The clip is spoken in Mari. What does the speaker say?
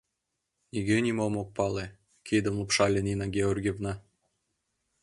Нигӧ нимом ок пале, — кидым лупшале Нина Георгиевна.